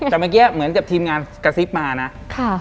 แต่เมื่อกี้เหมือนกับทีมงานกระซิบมานะ